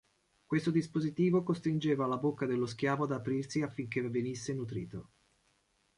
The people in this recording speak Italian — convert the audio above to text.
Questo dispositivo costringeva la bocca dello schiavo ad aprirsi affinché venisse nutrito.